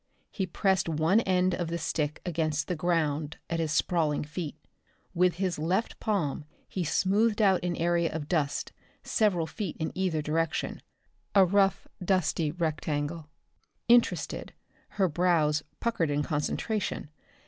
He pressed one end of the stick against the ground at his sprawling feet. With his left palm he smoothed out an area of dust several feet in either direction a rough dusty rectangle. Interested, her brows puckered in concentration.